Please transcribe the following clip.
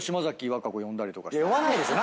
呼ばないでしょ。